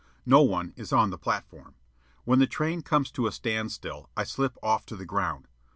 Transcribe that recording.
No one is on the platform. When the train comes to a standstill, I slip off to the ground.